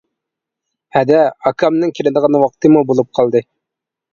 -ھەدە، ئاكامنىڭ كېلىدىغان ۋاقتىمۇ بولۇپ قالدى.